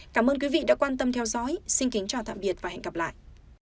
cảm ơn quý vị đã quan tâm theo dõi xin kính chào tạm biệt và hẹn gặp lại